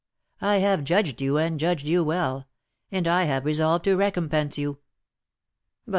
I have judged you, and judged you well, and I have resolved to recompense you." "But, M.